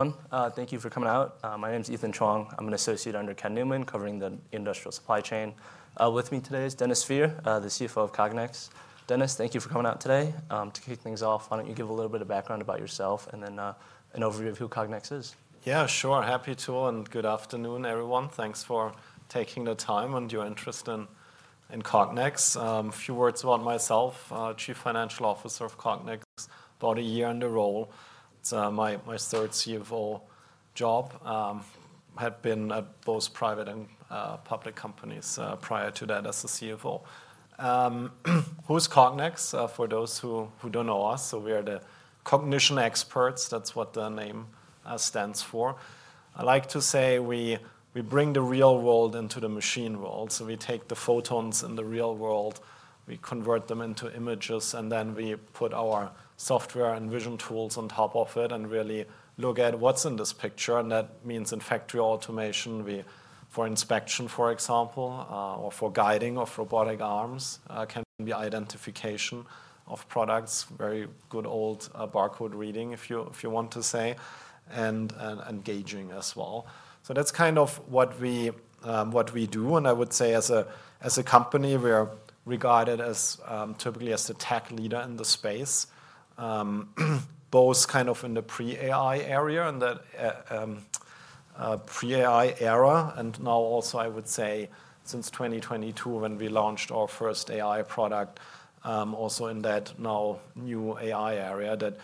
Thank you for coming out. My name is Ethan Chong. I'm an associate under Ken Newman covering the industrial supply chain. With me today is Dennis Fehr, the CFO of Cognex Corporation. Dennis, thank you for coming out today. To kick things off, why don't you give a little bit of background about yourself and then an overview of who Cognex Corporation is? Yeah, sure. Happy to, and good afternoon, everyone. Thanks for taking the time and your interest in Cognex. A few words about myself: Chief Financial Officer of Cognex, about a year in the role. It's my third CFO job. I had been at both private and public companies prior to that as a CFO. Who's Cognex? For those who don't know us, we are the Cognition Experts. That's what the name stands for. I like to say we bring the real world into the machine world. We take the photons in the real world, we convert them into images, and then we put our software and vision tools on top of it and really look at what's in this picture. That means, in fact, real automation. For inspection, for example, or for guiding of robotic arms, can be identification of products, very good old barcode reading, if you want to say, and gauging as well. That's kind of what we do. I would say as a company, we are regarded as typically as a tech leader in the space, both in the pre-AI area and the pre-AI era. Now also, I would say since 2022, when we launched our first AI product, also in that now new AI area that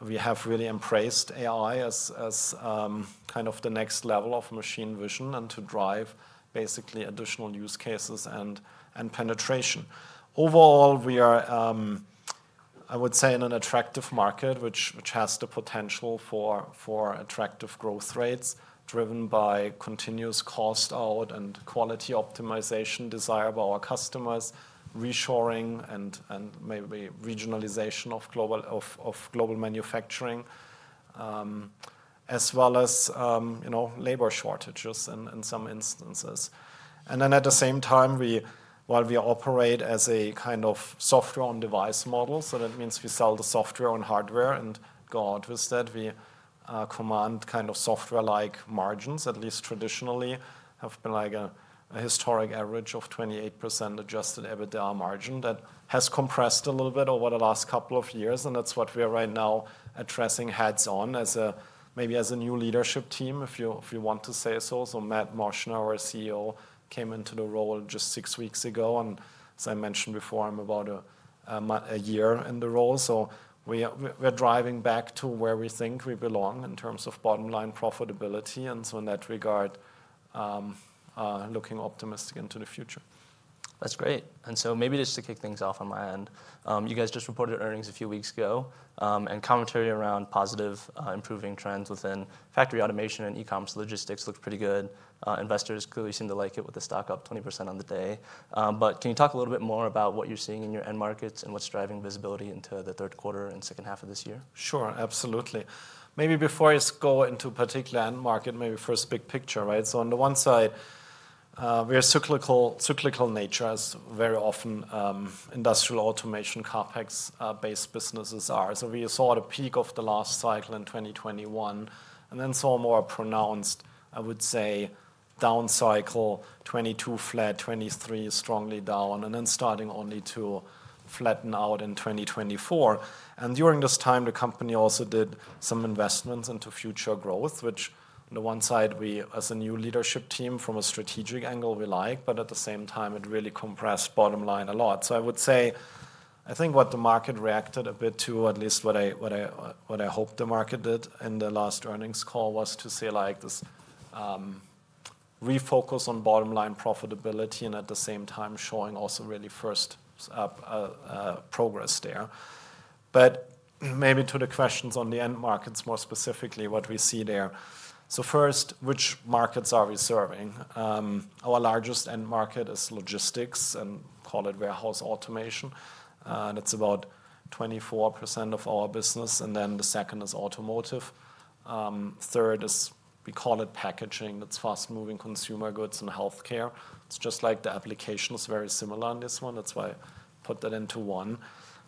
we have really embraced AI as kind of the next level of machine vision and to drive basically additional use cases and penetration. Overall, we are, I would say, in an attractive market, which has the potential for attractive growth rates driven by continuous cost out and quality optimization desired by our customers, reshoring and maybe regionalization of global manufacturing, as well as labor shortages in some instances. At the same time, while we operate as a kind of software on device model, that means we sell the software and hardware, and go out with that, we command kind of software-like margins. At least traditionally, have been like a historic average of 28% adjusted EBITDA margin that has compressed a little bit over the last couple of years. That's what we are right now addressing heads on as maybe as a new leadership team, if you want to say so. Matt Moschner, our CEO, came into the role just six weeks ago. As I mentioned before, I'm about a year in the role. We're driving back to where we think we belong in terms of bottom line profitability. In that regard, looking optimistic into the future. That's great. Maybe just to kick things off on my end, you guys just reported earnings a few weeks ago, and commentary around positive improving trends within factory automation and e-commerce logistics looked pretty good. Investors clearly seem to like it with the stock up 20% on the day. Can you talk a little bit more about what you're seeing in your end markets and what's driving visibility into the third quarter and second half of this year? Sure, absolutely. Maybe before I go into a particular end market, maybe first big picture, right? On the one side, we are cyclical in nature, as very often industrial automation CapEx-based businesses are. We saw the peak of the last cycle in 2021 and then saw a more pronounced, I would say, down cycle. '22 flat, '23 strongly down, and then starting only to flatten out in 2024. During this time, the company also did some investments into future growth, which on the one side, as a new leadership team from a strategic angle, we like, but at the same time, it really compressed bottom line a lot. I would say, I think what the market reacted a bit to, at least what I hope the market did in the last earnings call, was to say this refocus on bottom line profitability and at the same time showing also really first-up progress there. Maybe to the questions on the end markets more specifically, what we see there. First, which markets are we serving? Our largest end market is logistics and call it warehouse automation. That's about 24% of our business. The second is automotive. Third is, we call it packaging. That's fast-moving consumer goods and healthcare. It's just like the application is very similar on this one. That's why I put that into one.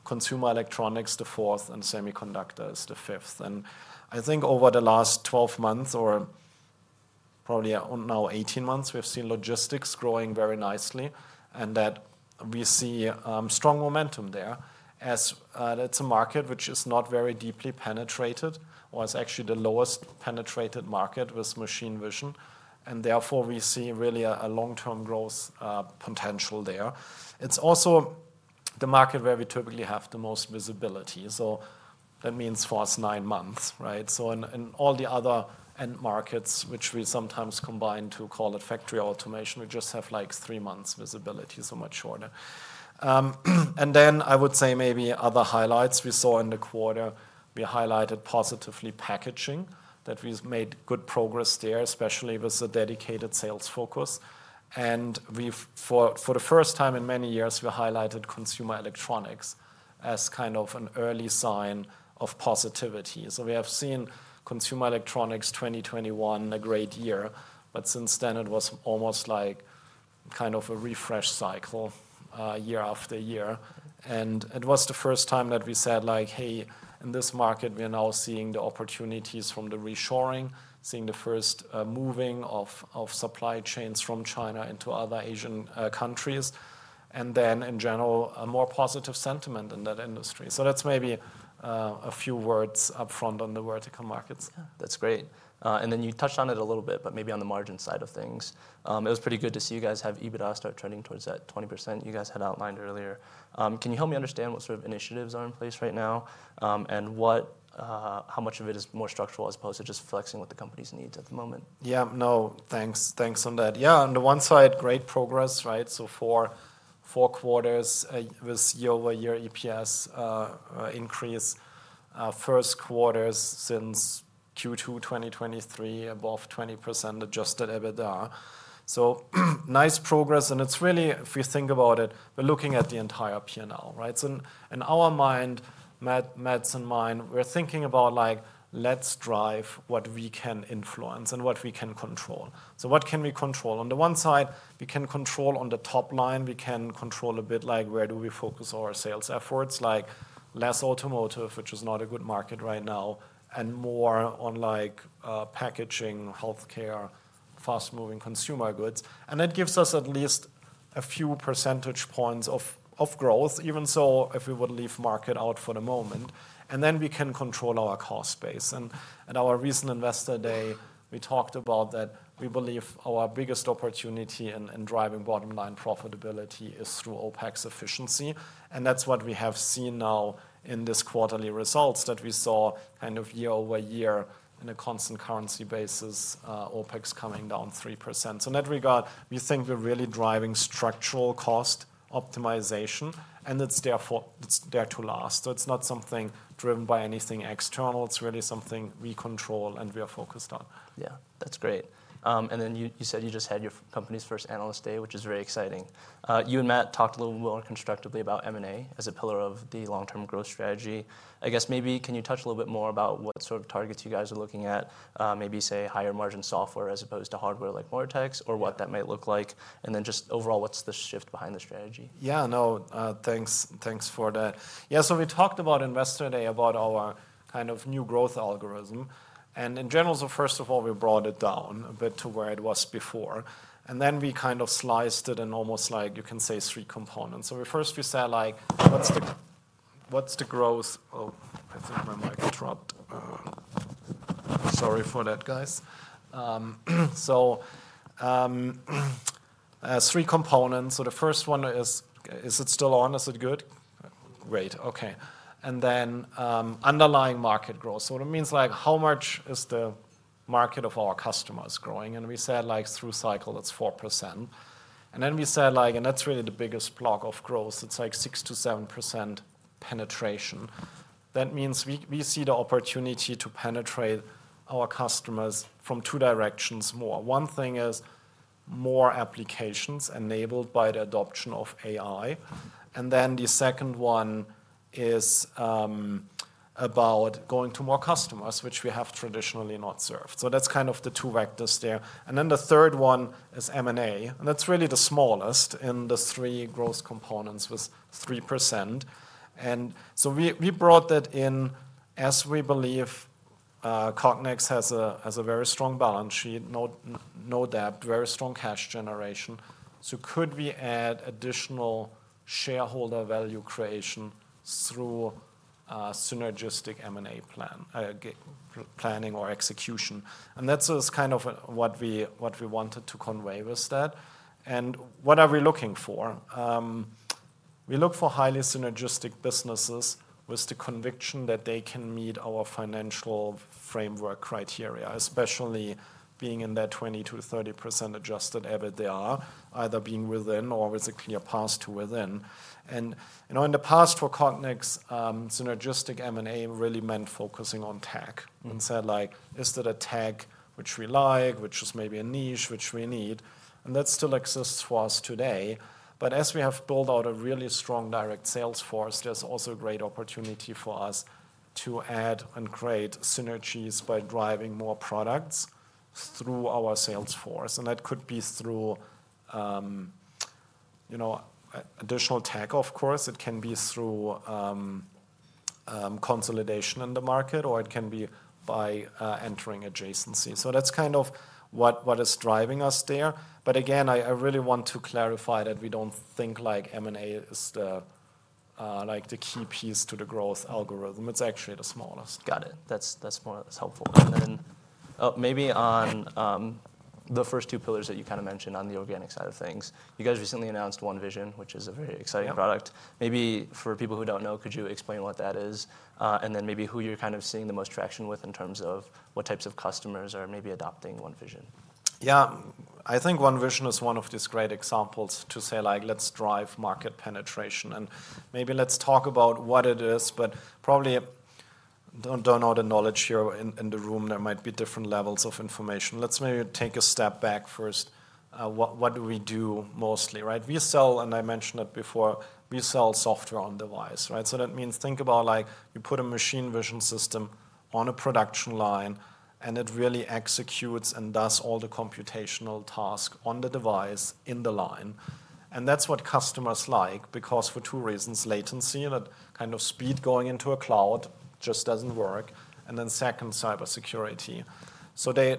Consumer electronics the fourth and semiconductors the fifth. I think over the last 12 months, or probably now 18 months, we've seen logistics growing very nicely. We see strong momentum there, as it's a market which is not very deeply penetrated or is actually the lowest penetrated market with machine vision. Therefore, we see really a long-term growth potential there. It's also the market where we typically have the most visibility. That means for us nine months, right? In all the other end markets, which we sometimes combine to call it factory automation, we just have like three months visibility, so much shorter. I would say maybe other highlights we saw in the quarter, we highlighted positively packaging, that we've made good progress there, especially with a dedicated sales focus. For the first time in many years, we highlighted consumer electronics as kind of an early sign of positivity. We have seen consumer electronics 2021 a great year. Since then, it was almost like kind of a refresh cycle, year after year. It was the first time that we said, hey, in this market, we are now seeing the opportunities from the reshoring, seeing the first moving of supply chains from China into other Asian countries. In general, a more positive sentiment in that industry. That's maybe a few words up front on the vertical markets. That's great. You touched on it a little bit, but maybe on the margin side of things, it was pretty good to see you guys have EBITDA start trending towards that 20% you guys had outlined earlier. Can you help me understand what sort of initiatives are in place right now and how much of it is more structural as opposed to just flexing with the company's needs at the moment? Yeah, no, thanks. Thanks on that. On the one side, great progress, right? For four quarters, with year over year EPS increase, first quarters since Q2 2023, above 20% adjusted EBITDA. Nice progress. If you think about it, we're looking at the entire P&L, right? In our mind, Matt's and mine, we're thinking about like, let's drive what we can influence and what we can control. What can we control? On the one side, we can control on the top line. We can control a bit like where do we focus our sales efforts, like less automotive, which is not a good market right now, and more on like packaging, healthcare, fast-moving consumer goods. That gives us at least a few percentage points of growth, even if we would leave market out for the moment. We can control our cost base. At our recent investor day, we talked about that we believe our biggest opportunity in driving bottom line profitability is through OpEx efficiency. That's what we have seen now in these quarterly results that we saw kind of year over year in a constant currency basis, OpEx coming down 3%. In that regard, we think we're really driving structural cost optimization. It's there to last. It's not something driven by anything external. It's really something we control and we are focused on. Yeah, that's great. You said you just had your company's first analyst day, which is very exciting. You and Matt talked a little more constructively about M&A as a pillar of the long-term growth strategy. I guess maybe can you touch a little bit more about what sort of targets you guys are looking at? Maybe say higher margin software as opposed to hardware like Vortex or what that might look like. Just overall, what's the shift behind the strategy? Yeah, no, thanks. Thanks for that. Yeah, we talked about investor day about our kind of new growth algorithm. In general, first of all, we brought it down a bit to where it was before. We kind of sliced it in almost like you can say three components. First, we said like, what's the growth? Oh, I think my mic dropped. Sorry for that, guys. Three components. The first one is, is it still on? Is it good? Great. Okay. Underlying market growth means like how much is the market of our customers growing. We said like through cycle, it's 4%. That's really the biggest block of growth. It's like 6%-7% penetration. That means we see the opportunity to penetrate our customers from two directions more. One thing is more applications enabled by the adoption of AI. The second one is about going to more customers, which we have traditionally not served. That's kind of the two vectors there. The third one is M&A. That's really the smallest in the three growth components with 3%. We brought that in as we believe Cognex has a very strong balance sheet, no debt, very strong cash generation. Could we add additional shareholder value creation through a synergistic M&A planning or execution? That's kind of what we wanted to convey with that. What are we looking for? We look for highly synergistic businesses with the conviction that they can meet our financial framework criteria, especially being in that 20%-30% adjusted EBITDA, either being within or with a clear path to within. You know, in the past for Cognex, synergistic M&A really meant focusing on tech. Is that a tech which we like, which is maybe a niche which we need? That still exists for us today. As we have built out a really strong direct sales force, there's also a great opportunity for us to add and create synergies by driving more products through our sales force. That could be through additional tech, of course. It can be through consolidation in the market, or it can be by entering adjacency. That's kind of what is driving us there. I really want to clarify that we don't think M&A is the key piece to the growth algorithm. It's actually the smallest. Got it. That's helpful. On the first two pillars that you kind of mentioned on the organic side of things, you guys recently announced OneVision, which is a very exciting product. Maybe for people who don't know, could you explain what that is? Who you're kind of seeing the most traction with in terms of what types of customers are maybe adopting OneVision? Yeah, I think OneVision is one of these great examples to say, like, let's drive market penetration. Maybe let's talk about what it is, but probably don't know the knowledge here in the room. There might be different levels of information. Let's maybe take a step back first. What do we do mostly? Right? We sell, and I mentioned it before, we sell software on device. Right? That means, think about, like, you put a machine vision system on a production line, and it really executes and does all the computational task on the device in the line. That's what customers like because for two reasons: latency and kind of speed going into a cloud just doesn't work. Second, cybersecurity.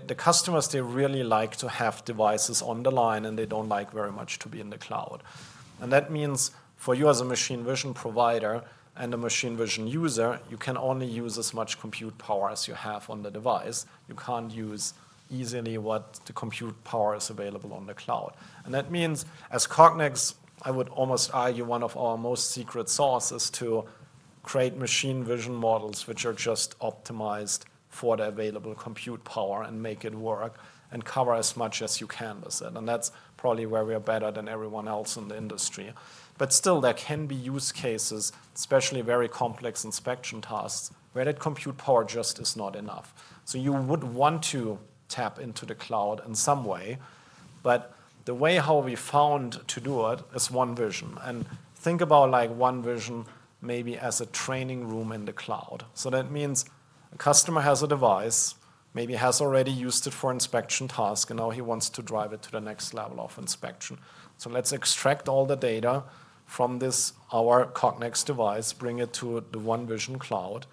The customers, they really like to have devices on the line, and they don't like very much to be in the cloud. That means for you as a machine vision provider and a machine vision user, you can only use as much compute power as you have on the device. You can't use easily what the compute power is available on the cloud. That means as Cognex, I would almost argue one of our most secret sauce is to create machine vision models which are just optimized for the available compute power and make it work and cover as much as you can with it. That's probably where we are better than everyone else in the industry. Still, there can be use cases, especially very complex inspection tasks, where that compute power just is not enough. You would want to tap into the cloud in some way. The way how we found to do it is OneVision. Think about, like, OneVision maybe as a training room in the cloud. That means a customer has a device, maybe has already used it for inspection tasks, and now he wants to drive it to the next level of inspection. Let's extract all the data from this, our Cognex device, bring it to the OneVision cloud,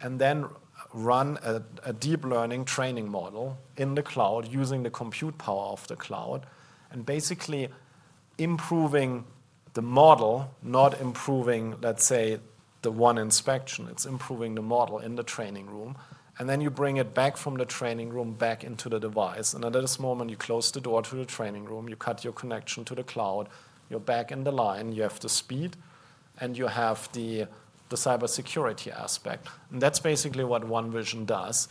and then run a deep learning training model in the cloud using the compute power of the cloud and basically improving the model, not improving, let's say, the one inspection. It's improving the model in the training room. Then you bring it back from the training room back into the device. At this moment, you close the door to the training room, you cut your connection to the cloud, you're back in the line, you have the speed, and you have the cybersecurity aspect. That's basically what OneVision does.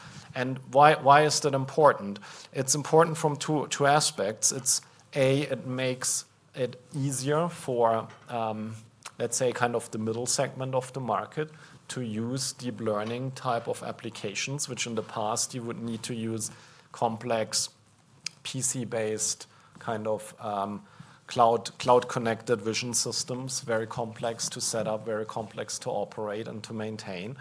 Why is that important? It's important from two aspects. It makes it easier for, let's say, kind of the middle segment of the market to use deep learning type of applications, which in the past you would need to use complex PC-based kind of cloud-connected vision systems, very complex to set up, very complex to operate and to maintain.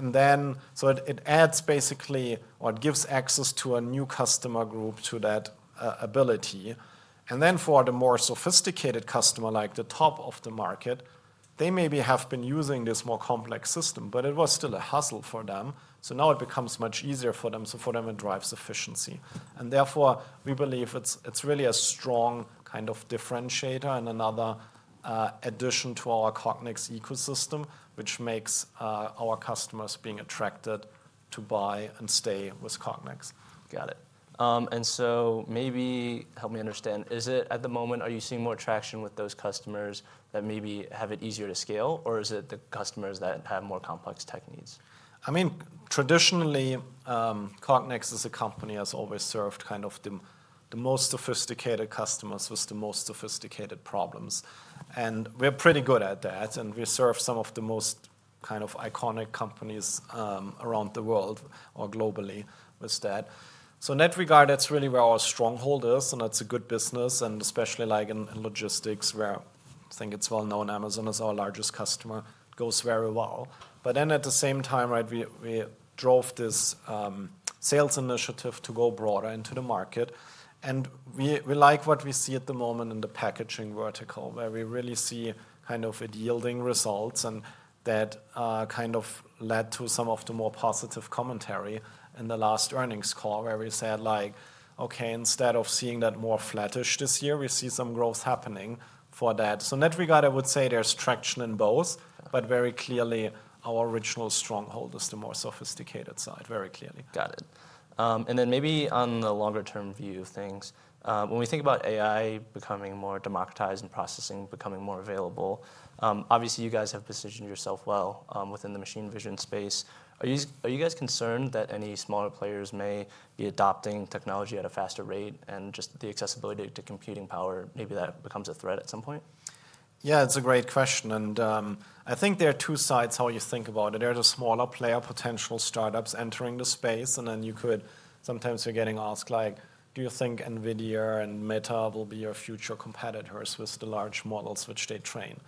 It adds basically or it gives access to a new customer group to that ability. For the more sophisticated customer, like the top of the market, they maybe have been using this more complex system, but it was still a hassle for them. It becomes much easier for them. For them, it drives efficiency. Therefore, we believe it's really a strong kind of differentiator and another addition to our Cognex ecosystem, which makes our customers being attracted to buy and stay with Cognex. Got it. Maybe help me understand. Is it, at the moment, are you seeing more traction with those customers that maybe have it easier to scale, or is it the customers that have more complex tech needs? Traditionally, Cognex as a company has always served kind of the most sophisticated customers with the most sophisticated problems. We're pretty good at that, and we serve some of the most iconic companies around the world or globally with that. In that regard, that's really where our stronghold is, and that's a good business. Especially in logistics, where I think it's well known, Amazon is our largest customer, goes very well. At the same time, we drove this sales initiative to go broader into the market. We like what we see at the moment in the packaging vertical, where we really see kind of yielding results. That kind of led to some of the more positive commentary in the last earnings call, where we said, okay, instead of seeing that more flattish this year, we see some growth happening for that. In that regard, I would say there's traction in both, but very clearly, our original stronghold is the more sophisticated side, very clearly. Got it. Maybe on the longer-term view of things, when we think about AI becoming more democratized and processing becoming more available, obviously, you guys have positioned yourself well within the machine vision space. Are you guys concerned that any smaller players may be adopting technology at a faster rate and just the accessibility to computing power, maybe that becomes a threat at some point? Yeah, it's a great question. I think there are two sides how you think about it. There's a smaller player potential, startups entering the space. Sometimes you're getting asked like, do you think NVIDIA and Meta will be your future competitors with the large models which they train?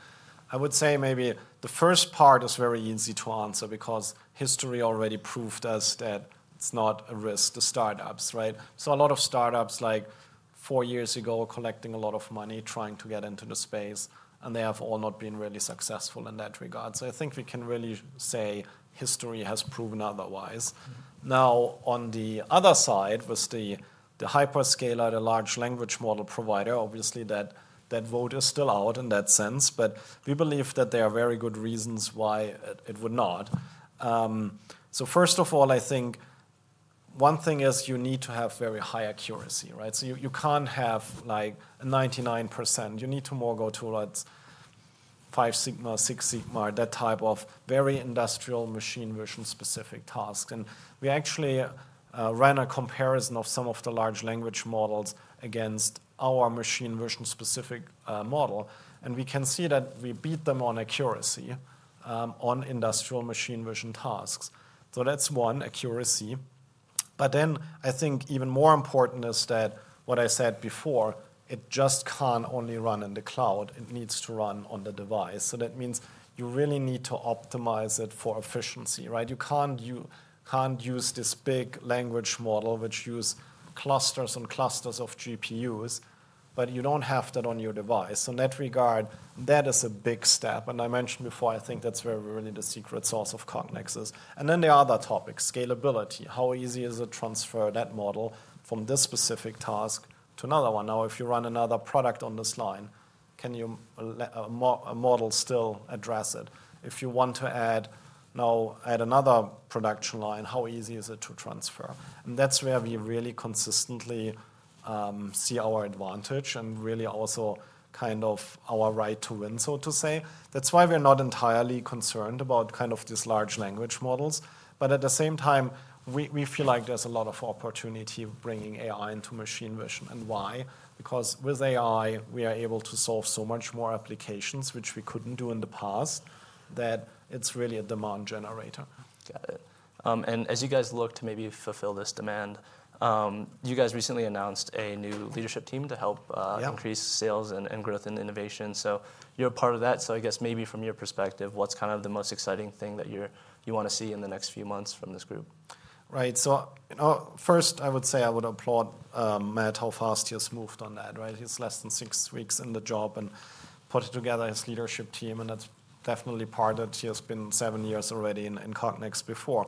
I would say maybe the first part is very easy to answer because history already proved us that it's not a risk to startups, right? A lot of startups, like four years ago, collecting a lot of money, trying to get into the space, and they have all not been really successful in that regard. I think we can really say history has proven otherwise. Now, on the other side, with the hyperscaler, the large language model provider, obviously, that vote is still out in that sense. We believe that there are very good reasons why it would not. First of all, I think one thing is you need to have very high accuracy, right? You can't have like a 99%. You need to more go towards five sigma, six sigma, that type of very industrial machine vision specific task. We actually ran a comparison of some of the large language models against our machine vision specific model, and we can see that we beat them on accuracy, on industrial machine vision tasks. That's one, accuracy. I think even more important is that what I said before, it just can't only run in the cloud. It needs to run on the device. That means you really need to optimize it for efficiency, right? You can't use this big language model which uses clusters and clusters of GPUs, but you don't have that on your device. In that regard, that is a big step. I mentioned before, I think that's where really the secret sauce of Cognex is. The other topic, scalability. How easy is it to transfer that model from this specific task to another one? Now, if you run another product on this line, can you let a model still address it? If you want to add now add another production line, how easy is it to transfer? That's where we really consistently see our advantage and really also kind of our right to win, so to say. That's why we're not entirely concerned about kind of these large language models. At the same time, we feel like there's a lot of opportunity bringing AI into machine vision. Why? Because with AI, we are able to solve so much more applications, which we couldn't do in the past, that it's really a demand generator. Got it. As you guys look to maybe fulfill this demand, you guys recently announced a new leadership team to help increase sales and growth and innovation. You're a part of that. I guess maybe from your perspective, what's kind of the most exciting thing that you want to see in the next few months from this group? Right. First, I would say I would applaud Matt how fast he has moved on that, right? He's less than six weeks in the job and put together his leadership team. That's definitely part of it. He has been seven years already in Cognex before.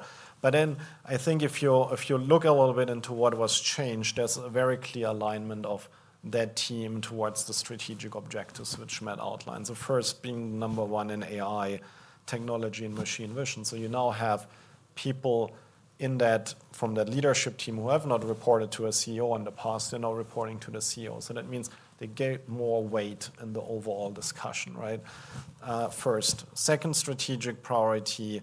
I think if you look a little bit into what was changed, there's a very clear alignment of that team towards the strategic objectives which Matt outlined. First, being number one in AI, technology, and machine vision. You now have people from that leadership team who have not reported to a CEO in the past, they're now reporting to the CEO. That means they get more weight in the overall discussion, right? Second strategic priority,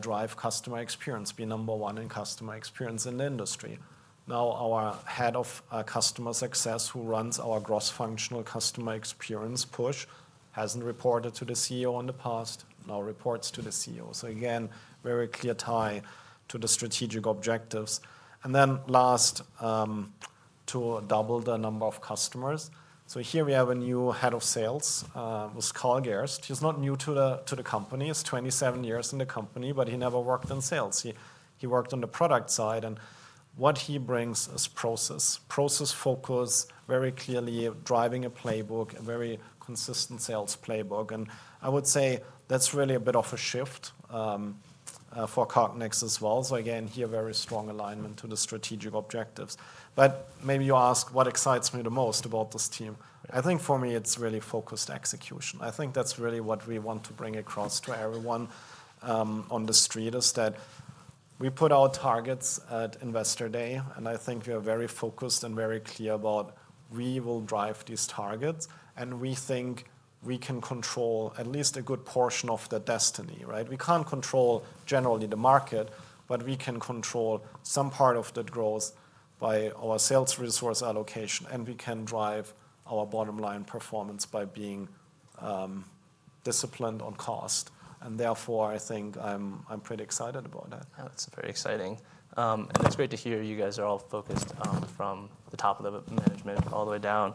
drive customer experience, be number one in customer experience in the industry. Now, our Head of Customer Success, who runs our cross-functional customer experience push, hasn't reported to the CEO in the past, now reports to the CEO. Again, very clear tie to the strategic objectives. Last, to double the number of customers. Here we have a new Head of Sales, with Karl Gerst. He's not new to the company. He's 27 years in the company, but he never worked in sales. He worked on the product side. What he brings is process, process focus, very clearly driving a playbook, a very consistent sales playbook. I would say that's really a bit of a shift for Cognex as well. Again, here, very strong alignment to the strategic objectives. Maybe you ask what excites me the most about this team. I think for me, it's really focused execution. I think that's really what we want to bring across to everyone on the street is that we put our targets at investor day. I think we are very focused and very clear about we will drive these targets. We think we can control at least a good portion of the destiny, right? We can't control generally the market, but we can control some part of that growth by our sales resource allocation. We can drive our bottom line performance by being disciplined on cost. Therefore, I think I'm pretty excited about that. That's very exciting. It's great to hear you guys are all focused from the top of the management all the way down.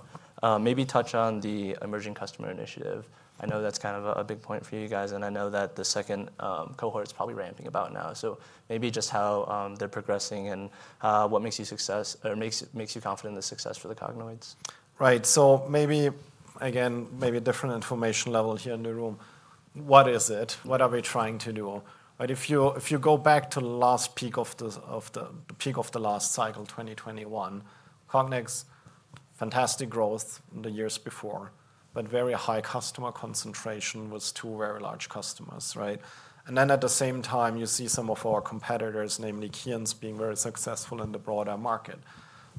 Maybe touch on the emerging customer initiative. I know that's kind of a big point for you guys. I know that the second cohort is probably ramping about now. Maybe just how they're progressing and what makes you success or makes you confident in the success for the Cognoids? Right. Maybe a different information level here in the room. What is it? What are we trying to do? If you go back to the last peak of the last cycle, 2021, Cognex, fantastic growth in the years before, but very high customer concentration with two very large customers, right? At the same time, you see some of our competitors, namely Keyence, being very successful in the broader market.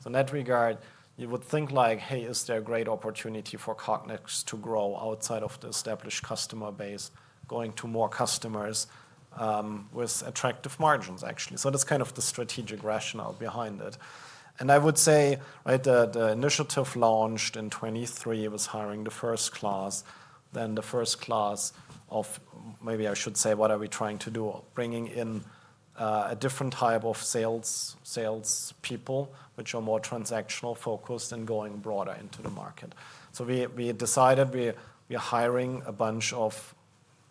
In that regard, you would think like, hey, is there a great opportunity for Cognex to grow outside of the established customer base, going to more customers, with attractive margins, actually. That is kind of the strategic rationale behind it. I would say, the initiative launched in 2023 was hiring the first class. The first class of, maybe I should say, what are we trying to do? Bringing in a different type of salespeople, which are more transactional focused and going broader into the market. We decided we are hiring a bunch of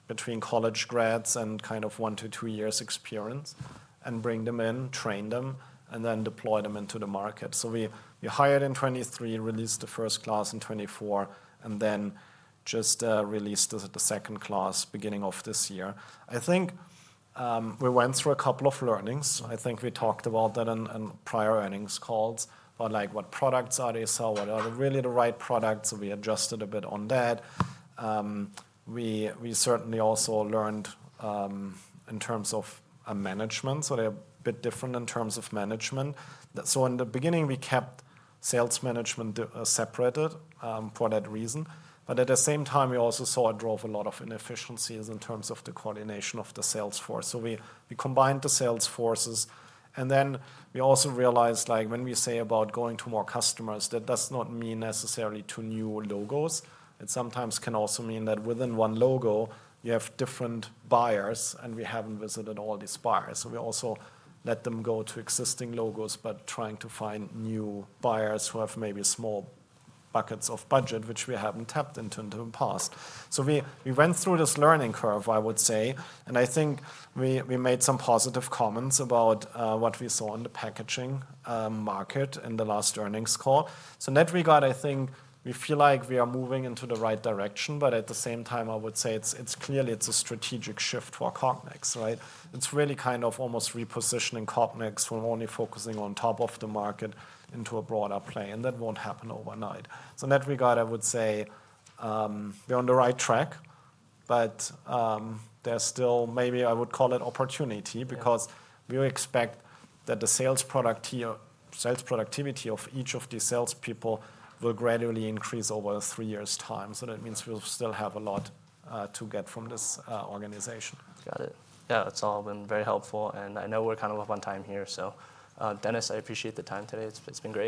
between college grads and kind of one, two, three years experience and bring them in, train them, and then deploy them into the market. We hired in 2023, released the first class in 2024, and then just released the second class beginning of this year. I think we went through a couple of learnings. I think we talked about that in prior earnings calls about like what products are they selling? What are really the right products? We adjusted a bit on that. We certainly also learned in terms of management. They are a bit different in terms of management. In the beginning, we kept sales management separated for that reason. At the same time, we also saw it drove a lot of inefficiencies in terms of the coordination of the sales force. We combined the sales forces. We also realized like when we say about going to more customers, that does not mean necessarily two new logos. It sometimes can also mean that within one logo, you have different buyers, and we haven't visited all these buyers. We also let them go to existing logos, but trying to find new buyers who have maybe small buckets of budget, which we haven't tapped into in the past. We went through this learning curve, I would say. I think we made some positive comments about what we saw in the packaging market in the last earnings call. In that regard, I think we feel like we are moving into the right direction. At the same time, I would say it's clearly a strategic shift for Cognex, right? It's really kind of almost repositioning Cognex from only focusing on top of the market into a broader play. That won't happen overnight. In that regard, I would say we're on the right track. There's still maybe I would call it opportunity because we expect that the sales productivity of each of these salespeople will gradually increase over three years' time. That means we'll still have a lot to get from this organization. Got it. Yeah, that's all been very helpful. I know we're kind of up on time here. Dennis, I appreciate the time today. It's been great.